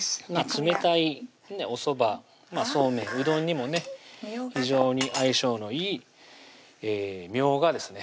冷たいおそば・そうめん・うどんにもね非常に相性のいいみょうがですね